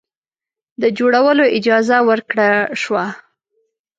د جوړولو اجازه ورکړه شوه.